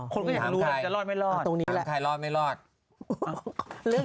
คนก็อยากรู้ว่าจะรอดไม่รอดตรงนี้แหละรอดไม่รอดเรื่อง